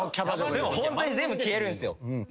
でもホントに全部消えるんすよ。